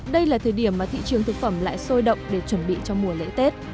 đây là thời điểm mà thị trường thực phẩm lại sôi động để chuẩn bị cho mùa lễ tết